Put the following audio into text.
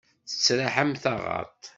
Yettraḥ am taɣaḍt.